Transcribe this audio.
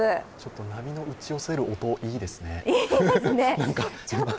波の打ち寄せる音、いいですね。